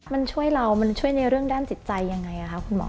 มันช่วยเรามันช่วยในเรื่องด้านจิตใจยังไงคะคุณหมอ